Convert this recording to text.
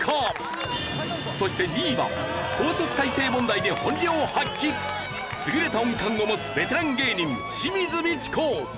そして２位は高速再生問題で本領発揮優れた音感を持つベテラン芸人清水ミチコ。